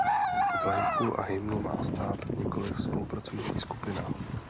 Vlajku a hymnu má stát, nikoliv spolupracující skupina.